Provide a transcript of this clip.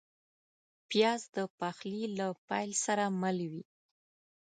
پیاز د پخلي له پیل سره مل وي